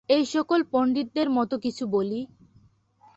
এই সকল পণ্ডিতদের মত কিছু বলি।